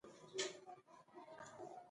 یو سل او اووه پوښتنه د کارموندنې مرسته ده.